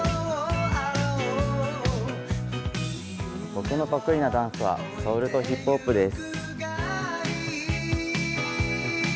僕の得意のダンスはソウルとヒップホップです。